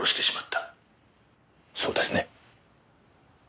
そうですね？